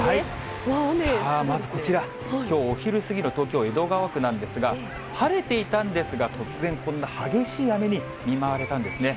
うわ、まずこちら、きょうお昼過ぎの東京・江戸川区なんですが、晴れていたんですが、突然、こんな激しい雨に見舞われたんですね。